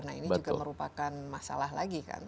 nah ini juga merupakan masalah lagi kan